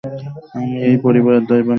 আমিই এই পরিবারের দায়ভার নিয়েছি।